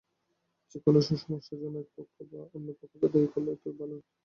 যেকোনো সমস্যার জন্য এক পক্ষ অন্য পক্ষকে দায়ী করলেই তো হলো।